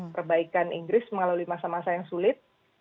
perbaikan inggris melalui masa masa yang sulit